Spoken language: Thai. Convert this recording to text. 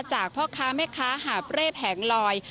จากพ่อค้าแม่ค้าหาเปร่มแห่งลอย